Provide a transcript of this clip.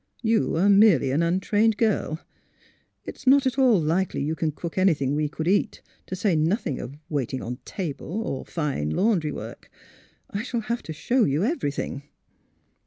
You are merely an untrained girl. It is not at all likely you can cook anything we could eat, to say nothing of waiting on table, or fine laundry work. I shall have to show you everything.